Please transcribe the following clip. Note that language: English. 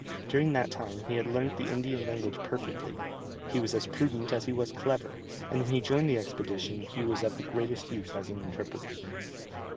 During that time he had learnt the Indian language perfectly; he was as prudent as he was clever, and when he joined the expedition he was of the greatest use as an interpreter.